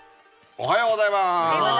おはようございます！